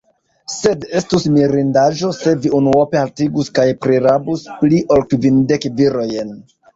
Sed estus mirindaĵo, se vi unuope haltigus kaj prirabus pli ol kvindek virojn!